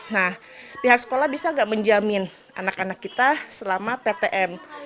nah pihak sekolah bisa nggak menjamin anak anak kita selama ptm